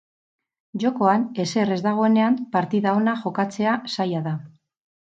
Jokoan ezer ez dagoenean partida ona jokatzea zaila da.